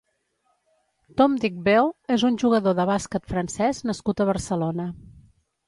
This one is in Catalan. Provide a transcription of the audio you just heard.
Tom Digbeu és un jugador de bàsquet francès nascut a Barcelona.